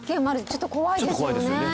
ちょっと怖いですよね